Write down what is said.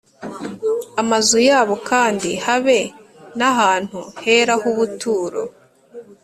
Amazu yabo kandi habe n ahantu hera h ubuturo